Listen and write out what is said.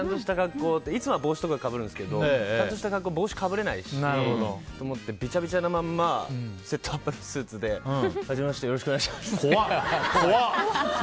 いつもは帽子とかかぶるんですけどちゃんとした格好で帽子かぶれないと思ってビチャビチャのまんまセットアップのスーツではじめましてよろしくお願いしますって。